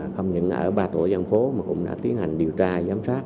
không những ở ba tổ dân phố mà cũng đã tiến hành điều tra giám sát